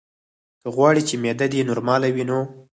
که غواړې چې معده دې نورماله وي نو: